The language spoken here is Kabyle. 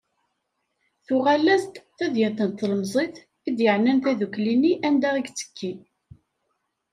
Tuɣal-as-d tedyant n tlemẓit i d-yeɛnan taddukli-nni anda i yettekki.